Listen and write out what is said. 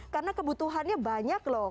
karena kebutuhannya banyak loh